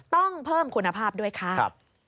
ต้องเพิ่มคุณภาพด้วยค่ะ